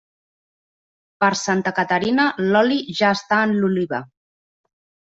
Per Santa Caterina, l'oli ja està en l'oliva.